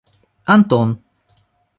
Антон